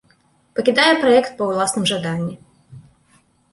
Пакідае праект па ўласным жаданні.